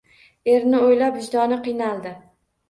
Erini o`ylab vijdoni qiynaldi